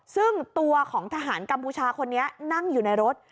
ซึ่งตัวของทหารกัมพูชาคนนี้นั่งอยู่ในรถ